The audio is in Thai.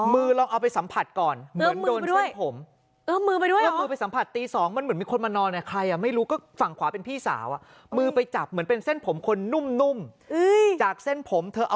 ลองเอาไปสัมผัสก่อนเหมือนโดนเส้นผม